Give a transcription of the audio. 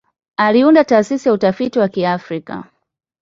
Aliunda Taasisi ya Utafiti wa Kiafrika.